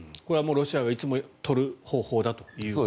これはロシアがいつも取る方法だと。